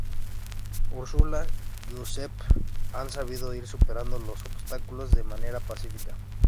Ursula y Giuseppe han sabido ir superando los obstáculos de manera pacífica.